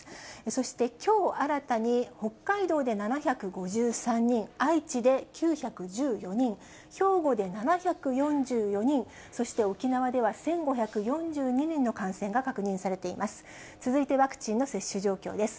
そして、きょう新たに、北海道で７５３人、愛知で９１４人、兵庫で７４４人、そして沖縄では１５４２人の感染が確認されています。